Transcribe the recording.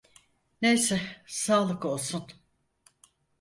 Neyse sağlık olsun…